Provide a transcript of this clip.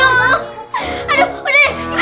aduh udah deh